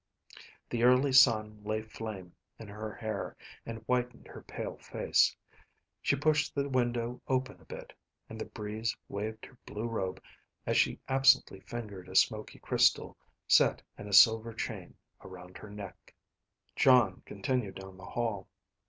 The early sun lay flame in her hair and whitened her pale face. She pushed the window open a bit, and the breeze waved her blue robe as she absently fingered a smoky crystal set in a silver chain around her neck. Jon continued down the hall.